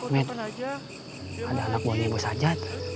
med ada anak bawanya ibu saja